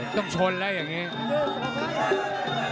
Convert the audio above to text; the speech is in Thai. ต้องชนแล้วอย่างนี้